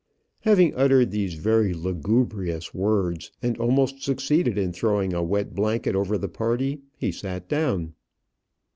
Having uttered these very lugubrious words, and almost succeeded in throwing a wet blanket over the party, he sat down.